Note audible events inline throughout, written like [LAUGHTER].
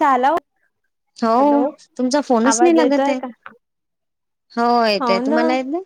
झाला हो हॅलो तुमचा फोनच नाही आवाज लागत येतोय आहे. का हो येतय तुम्हाला येत ना.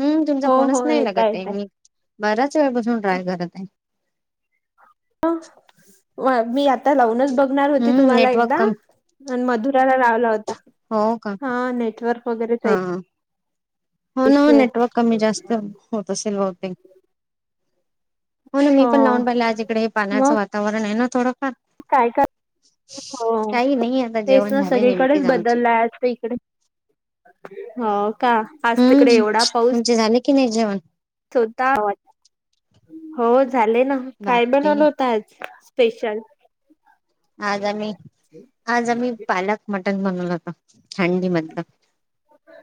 हम्म तुमचा हो फोनच हो नाही येतय लागत आहे येतय मी बराच वेळपसून ट्राय करत आहे. मी आता लावूनच बघणार होती हम्म तुम्हाला नेटवर्क एकदा कमी मधुराला लावला होता. हो का हा नेटवर्क हा वगैरेह.... हो ना नेटवर्क कमी जास्त होत असेल बहुतेक. हो ना मी पण नाऊन पहिला आज इकडे हे पाण्याचं मग वातावरण आहे ना थोडंफार.. काय का. हो काही नाही आता तेच जेवण ना झाले सगळीकडेच नेमकेच आमचे बदललाय अस इकडे. हो का आज तिकडे एवढा पाऊस... कीं नाही जेवन.. स्वतः हो झाले ना काय बापरे बनवल होता आज? स्पेशल. आजम्ही आज आमही पालक मटन म थंडी मधलं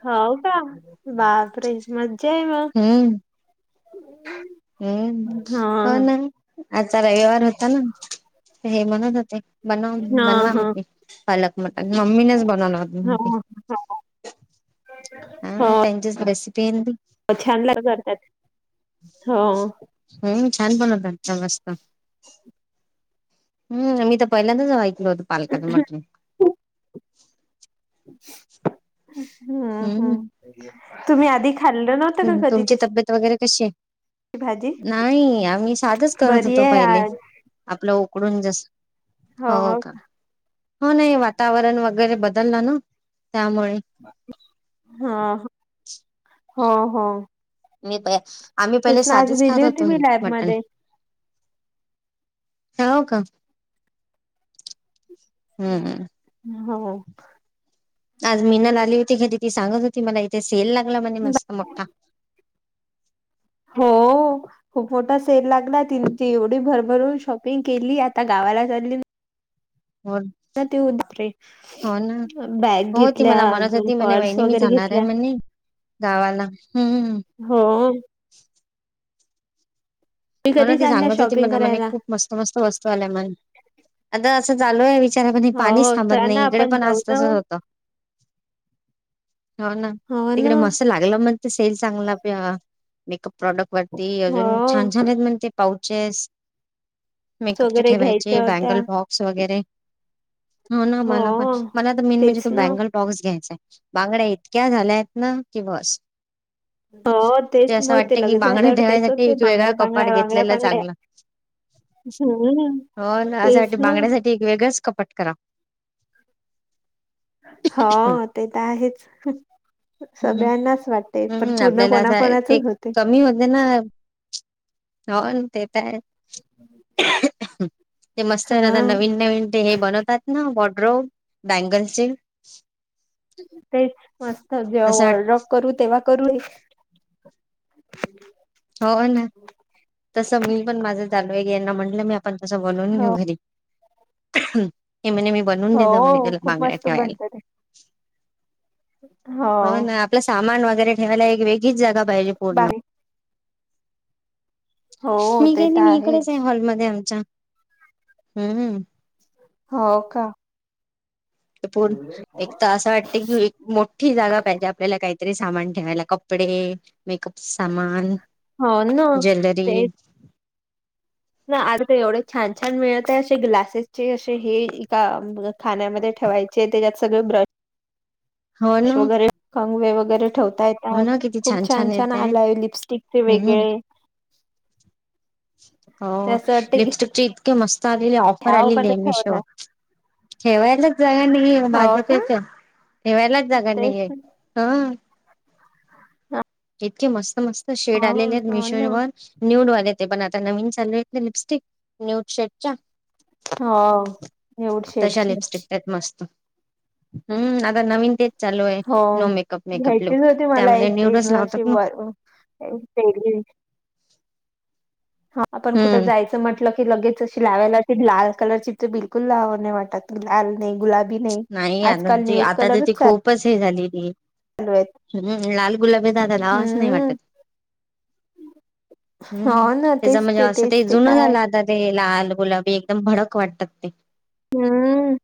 हो का बापरे मज्जा मग हम्म हम्म हा हो ना आचा रविवार होता ना हे म्हणत होत. बनवा हा बनवा हा पालक मटन मम्मी न बनवल होत. हो हा त्यांच्याच बस पन हो छान ला करतात. हो हो छान बनत मस्त हम्म मी तर पहिल्यांदाच वाऐकल होत [UNINTELLIGIBLE] हम्म हम्म तुम्ही अधिक.. खाल्लं नव्हतं का कधी तुमची तशी. तब्येत वगैरे कशी आहे भाजी नाही आम्ही साधच करत बरी होतो आहे पहिले आज आपलं.. उकडून जस हो का हो नाही वातावरण वगैरे बदललं ना त्यामुळे हा हो हो. नाही प आम्ही तेच पहिले ना आज साधीच दिली खात होती होतो मी हे मटण.. लॅबमध्ये हाव का? हम्मम. हो. आज मीनल आली होती खरी ती सांगत होती मला इथे सेल लागला म्हणे मस्त मोठा. हो खूप मोठा सेल लागला त एवढी भरभरून शॉपिंग केली आता गा... [UNINTELLIGIBLE] हो हो ना बॅग हो ती घेतल्या मला म्हणत अजून होती म्हणे पर्स वहिणी मी वगैरे जाणार. घेतल्या [UNINTELLIGIBLE] गावाला. हम्म हो. हो ना कधी ती चालल्या सांगत होती शॉपिंग मला म्हणे करायला खूप मस्त मस्त वस्तू आल्या म्ह आता.. असं चालू आहे विचारा पण हे पाणीच हो थांबत चला ना नाही इकडे आपण पण जाऊ आज ना तसच होतं. हो ना हो ना तिकडे मस्त लागलं मग ते सेल चांगला प मेकअप. प्रॉडक्ट वरती अजून हो छान छान आहेत म्हण ते पाऊचेस.. मेकअप चे वगैरे ठेवायचे घ्यायच्या होत्या बँगल बॉक्स वगैरे.. हो ना मला पण मला तर मेन म्हणजे तेच तो ना बँगल बॉक्स घ्यायचाय. बांगड्या इतक्या झाल्या आहेत ना की बस. हो ते तेच असं मग वाटत कि लग्न बांगड झाल्यावर तेच ठेवायसाठी होते एक वेगळा... बांगड्या बांगड्या कपाट बांगड्या घेतलेला बांगड्या चांगलं हम्म हो ना अस बांगड्यासाठी वेग.. ग कपट करा. हो हं. ते तर आहेच. हं. सगळ्यांनाच वाटते पण हं. पूर्ण आपल्याला असं ते कोणाकणातच होते.. कमी होते ना हो तेेत हायच. ते मस्त आता हा नवीन नवीन ते हे बनवतात ना वॉर्ड्रोब बँगलचे. तेच मस्त जेव्हा तसं वॉल ड्राप करू तेव्हा.. [UNINTELLIGIBLE] हो ना तसं मी पण माझं चालू हाय गे यांना म्हटलं मी आपण तसं बोलवून हो घेऊ घरी मने मी बनवून हो देतो म ग खूप बांगड्या मस्त ठेवायला बनत ते हो ना आपलं सामान वगैरे ठेवायला एक वेगळीच जागा पाहिजे पूर्ण बारीक हो मी ते तर गेली मी आहेच इकडेच आहे हॉलमध्ये आमच्या हम्म होव का पण एक तर असं वाटते की एक मोठी जागा पाहिजे आपल्याला काही - तरी सामान ठेवायला कपडे मेकअप च सामान हो ना ज्वेलरी तेच ना आर ते एवढे छान छान मिळत आहे असे ग्लासेसचे अशे हे एका खाण्यामध्ये ठेवायचे त्याच्यात सगळे ब्रश.. हो श ना वगैरे कंगवे वगैरे ठेवते. हो ना येतात किती खूप छान छान येत आहे आलाय लिपस्टिकचे हम्म वेगळे... हो ते असं वाटते लिपस्टिक च इतक मस्त आलेले ऑफर घ्याव पण आलेले ठेवणार मेशोवर. ठेवायलाच जाग नाही हो माझ्या का त्याच.. ठेवायलाच जागा नाहीं हाय हं. रिकामा ऑडिओ इतके मस्त मस्त शेड आलेले आहेत हो मीशो ना वर न्यूड वालेत. ते पण आता नवीन चालू आहेत ना लिपस्टिक न्यूड शेडच्या हो एवढ तशा शेडचे लिपस्टिक त्यात मस्त हम्म नवीन तेच चालू आहे हो नो मेकअप मेकअप लोक घ्यायचीच होती मला त्यामध्ये एक निवडच [UNINTELLIGIBLE] [UNINTELLIGIBLE] आपण कुठं हम्म जायचं म्हटलं लगेच अशी लावायला ते लाल कलरची ते बिलकुल लावू नाही वाटत लाल - नाही गुलाबी नाही आता आजकाल ती न्यूड आता तर ती कलरच चा - खूपच हे झाली ती हम्म लाल गुलाबी तर आता लावावच नाही हम्म वाटत हो हम्म ना त्याच तेच म्हणजे असं तेच ते जुन काय झालं आता ते लाल गुलाबी एकदम भडक वाटतात ते हम्म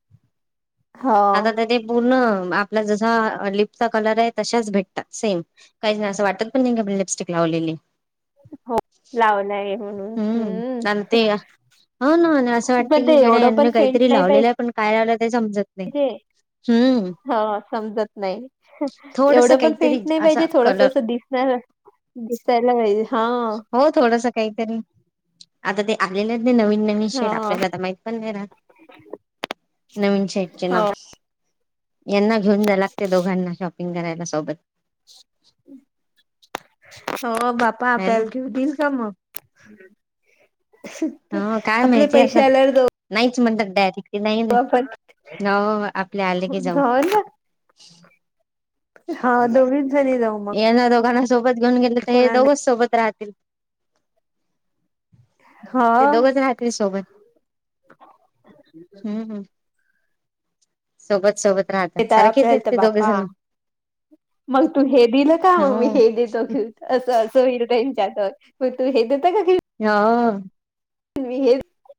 हो आता तर ते पूर्ण - आपला जसा लिपचा कलर आहे तशेच भेटतात सेम काहीच नाही असं वाटत पण नाही लिपस्टिक ला लावलेली हो लावला आहे म्हणून आणि हम्म ते हो ना आणि असं [INAUDIBLE] वाटतं पण की ते गड्या एवढं पण यांनी फेंट काहीतरी नाही लावलेलं पाहिजे आहे पण काय लावलं ते समजत नाही हम्म हा समजत नाही थोडस एवढं पण काहीतरी फेंट नाही असा पाहिजे थोडस कलर अस दिसणार दिसायला पाहिजे हा हो थोडस काहीतरी आता ते आलेलं नवीन नवीन शेड हा आपल्याला आता माहित पण नाही राहत नवीन शेडचे नाव हो यांना घेऊन जा लागते दोघांना शॉपिंग करायला सोबत हो बापा आहे ना आपल्याला घेऊ देईल का मग हो काय आपले माहिती पैसे आता आल्यार दो [UNINTELLIGIBLE] नाही नाही न बाबा आपले आले की जाऊ हो ना हा दोन यांना दोघांना सोबत घेऊन गेले तर हे कोणा दोघंच सोबत राहतील हा ते दोघच राहततील सोबत हम्म सोबत सोबत राहत येत सारखीचेत आपल्याला आहेत तर ते दोघ बापा जण मग तू हे दिलं का हो मग मी हे देतो घे असं [UNINTELLIGIBLE] हा, [UNINTELLIGIBLE]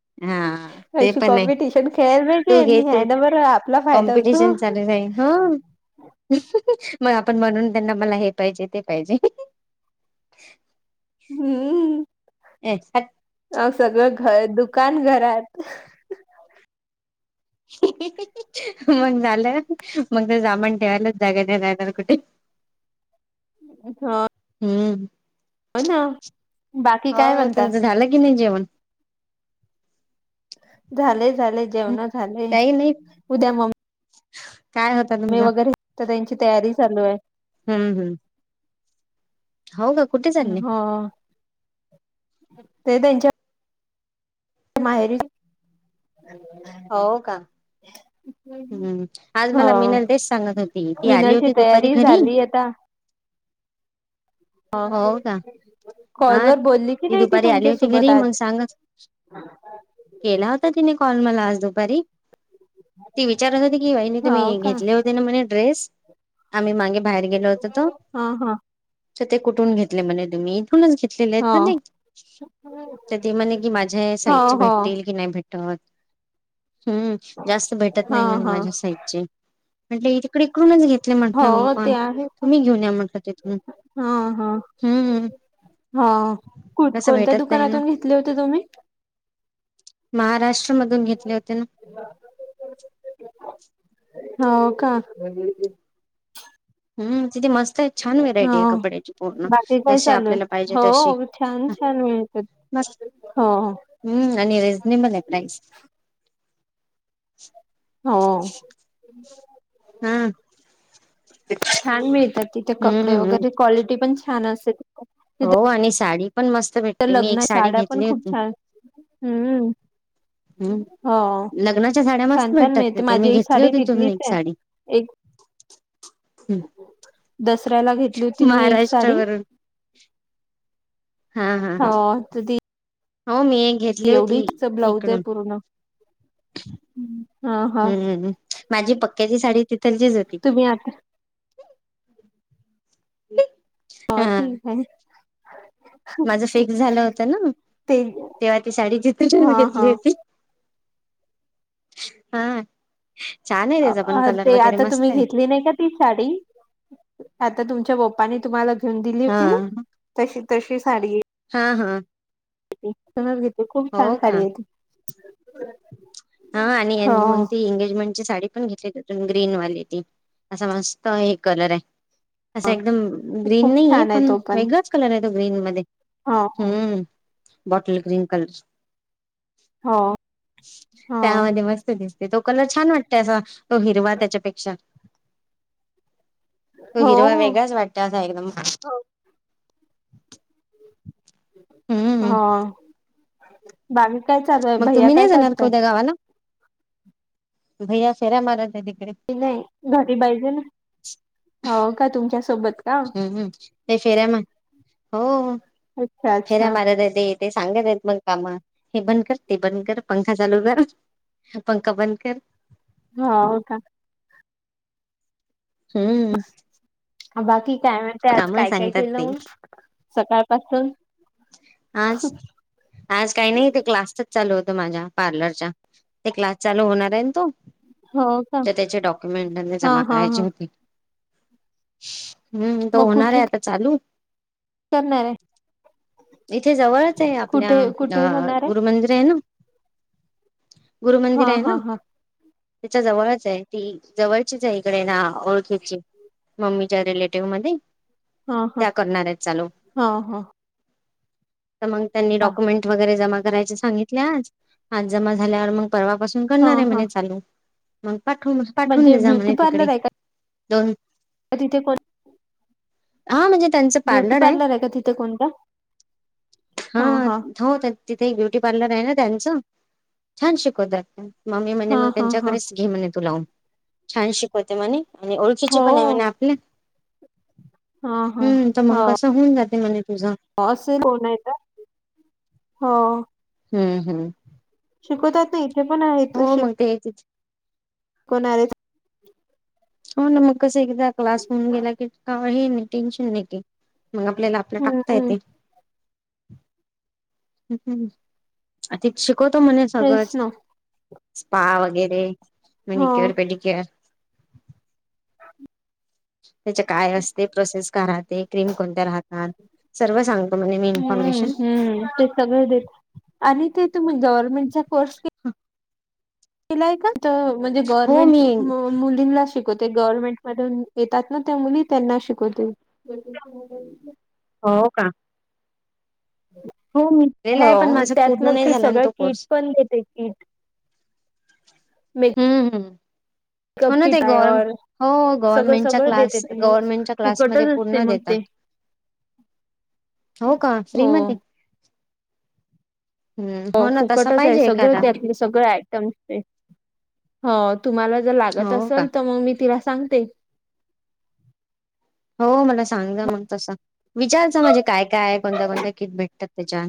ते अशी पण आहे कॉम्पिटिशन खेळाला तू घे म्हणजे, या तू ना बरं आपला फायदा होतो. कॉम्पिटिशन चालू हो [UNINTELLIGIBLE] मग आपण बनवून त्यांना, मला हे पाहिजे, ते पाहिजे, हम्म, [UNINTELLIGIBLE] अ सगळं घर, दुकान घरात, [UNINTELLIGIBLE] [UNINTELLIGIBLE] मग झालं मग तर सामान ठेवायलाच जागा नाहीराहणार, कुठे [UNINTELLIGIBLE] हो हम्, ना बाकी म काय हो म्हणता तुमचं झालं की नाही जेवण [INAUDIBLE] झालेय झाले जेवण झालेय काही नाही उद्या मम्मी काय होता तुमचा वगैरे तर त्यांची तयारी चालू आहे हम्म हम्म हो का कुठे चालले? हो ते त्यांच्या माहेरी, [UNINTELLIGIBLE] हो का? हम्म आज हा मला मिनल देश सांगत होती, ती आली विनरची होती दुपारी तयारी घरी [INAUDIBLE] झाली आता हो का हा कॉलवर बोलली की ती नाही ती दुपारी आली तुमच्या होती सोबत घरी, आज मण सांगत केला होता, तिने कॉल मला आज दुपारी. ती विचारत होते, की बहिणी हो तुम्ही का घेतले होते, ना म्हणे ड्रेस. आम्ही मागे बाहेर गेलो होतो, हा हा तो ते कुठून घेतले म्हणे तुम्ही. घेतलेले आहेत हो की नाही, ते म्हणे की माझ्या हो साईज हो भेटतील की नाही भेट. हम्म जास्त भेटत हा नाही, म्हणे हा माझ्या साईज चे. म्हटले तिकडे इकडूनच घेतले, हो म्हंटलं मी ते पण आहे तुम्ही घेऊन या म्हंटलं तिथून. हा हा हम्म हम्म. हा कोणत्या नाही ना दुकानातून घेतले होते तुम्ही? महाराष्ट्र मधून घेतले होते ना. हो का? हम्म. तिथती मस्त आहे, छान व्हेरायटी आहे हो कपड्याची पूर्ण, बाकी काय जशी चालू आपल्याला पाहिजे तशी. मस् हा, हम्म आणि रिझनेबल आहे प्राईस. हो. हा छान मिळतात तिथे कपडे, हम्म वगैरे क्वालिटी पण छान अस. हो आणि साडी पण मस्त भेटते, मी एक लग्न साडी साड्या पण घेतली खूप होती. छान हम्म हो हम्म लग्नाच्या साड्या मस्त छान छान भेटतात मिळते तिथे, माझी मी एक घेतली साडी होतीथून तिथलीच एक साडी. एक. दसऱ्याला घेतली होती मी एक साडी महाराष्ट्रावरून, [UNINTELLIGIBLE] [UNINTELLIGIBLE] हा, हा कधी, हो मी घेतली होती ब्लाऊज आहे इकडून. पूर्ण हा हा हम्मम्म माझी, पक्क्याची साडी तिथल कडं ची होती. तुम्ही आता [UNINTELLIGIBLE] हो हा ठीक आहे. माझं फिक्स झालं होतं ना. ते तेव्हा ती साडी जिथून हा घेतली हा होती. हा, छान आहे त्याचा पण कलर ते वगैरे आता तुम्ही मस्त आहे घेतली नाही, का ती साडी. आता तुमच्या पप्पांनी तुम्हाला घेऊन दिली हा होती ना, तशी... तशी साडी हा हा कलर घेते, खूप हो छान का साडी ए हा आणि अन् मग ते एंगेजमेंट साडी पण घेतली ग्रीन वाली ती, असा मस्त हे कलर ये असा एकदम ग्रीन खूप नाई ये, पण वेगळाच कलर ए तो ग्रीन मध्ये ह ह हम्म बॉटल ग्रीन कलर ची, हो. हो त्यामध्ये मस्त दिसत, तो कलर छान वाटतय, असा तो हिरवा त्याच्यापेक्षा. तो हो हिरवा हो वेगळाच वाटतो एकदम... हो हा [UNINTELLIGIBLE] मग तुम्ही नाही जाणार का उद्या गावाला? भैया फेऱ्या मारत ए तिक [UNINTELLIGIBLE] घरी पाहिजे ना, हाव का तुमच्या सोबत? हम्म हम्म, ते फेऱ्या मार... हो अच्छा फेऱ्या अच्छा मारत आहे ते ते सांगत आहेत मग काम, हे बंद कर, ते बंद कर, पंखा चालू कर हा पंखा बंद कर हा, हो का? हम्म बाकी काय म्हणते, आज काम काय काय सांगतात केलं ते मग सकाळपासून आज... आज काही नाही ते क्लासचं चालू होतं... माझ्या पार्लरच्या, ते क्लास चालू होणाराय ना तो हो का तर त्याचे डॉक्युमेंट हा जमा हा करायची हा होती हम्म... तो मग होणार ए कुठे आता चालू, करणार ये इथे जवळच ए आपल्या... अ कुठे होणार आहे? गुरुमंदिर हेना? हा गुरुमंदिर है ना? हा हा त्याच्या जवळच ए, ती जवळचीच हाय इकडे ना ओळखीची मम्मीच्या रिलेटिव्ह मध्ये हा हा त्या करणारेत चालू हा हा. तर मग त्यांनी हा डॉक्युमेंट वगैरे जमा करायचं सांगितलं आज, आज जमा झाल्यावर मग परवापासून हा करणार ए हा म्हणे चालू मग पाठव... पाठवून म्हणजे दे जा ब्युटी म्हणे तिकडे पार्लर आहे का दोन तिथे पण हा म्हणजे ब्युटी पार्लर आहे का तिथं कोणतं? हे, हो, तिथं... तिथं एक ब्युटी पर्ल पार्लर आहे ना त्यांच, छान शिकवतात, मम्मी म्हणे हा मग हा हा त्यांच्याकडेच घे म्हणे तू लावून छान शिकवते म्हणे आणि ओळखीची पण ए हो म्हणे आपल्या हा हा हम्म... तर मग हो. कसं होऊन जाते म्हणे तुझं [UNINTELLIGIBLE] [UNINTELLIGIBLE] हो हम्म हम्म शिकवतात [UNINTELLIGIBLE] हो मग ते [UNINTELLIGIBLE] कोण आले हो ना मग कसं, एकदा क्लास होऊन गेला की, काही नाही.. टेन्शन नाही मग आपल्याला आपलं, हम्म टाकता हम्म येते. [UNINTELLIGIBLE] ह् हम् त शिकवतो, म्हणे तेच सगळंच ना स्पा वगैरे, हो. मेनिक्युर, पेडिक्युर, त्याच्या काय असते प्रोसेस घरात? ते क्रीम कोणत्या राहतात, सर्व सांगतो म्हणे मी हम्म इन्फॉर्मेशन, हम्म ते सगळं देत आणि ते तुमी गव्हर्नमेंटचा कोर्स, के केला का म्हणजे हो गवर्मेंट मी मुलीं शिक शिकवते गव्हर्मेंट मधून येतात, ना त्या मुली त्यांना शिकवते, हो का, हो मी केलेला आहे, पण हो माझा त्यात पूर्ण मग नाही ते झाला ना सगळं तो किट कोर्स, पण [INAUDIBLE] मी हम् कप की [UNINTELLIGIBLE] हो गव्हर्नमेंटच्या क्लास, गव्हर्नमेंटच्या क्लासमध्ये फुकटच असते पूर्ण मग देतात ते हो का हो श्रीमती हो फुकटच हाय पाहिजे एखादा सगळं, त्यातले सगळे आयटम्स ते... हो तुम्हाला जर लागत हो का असेल, तर मग मी तिला सांगते. हो मला सांगा मग तसं, विचारचं म्हणजे काय काय आहे कोणत्या कोणत्या किट भेटतात त्याच्यात,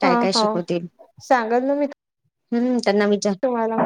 काय, हा काय हो शकते, सांगल ना मी हम्म त्यांना विचार, तुम्हाला